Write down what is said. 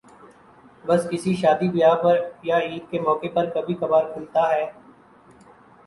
بس کسی شادی بیاہ یا عید کے موقع پر کبھی کبھارکھلتا ہے ۔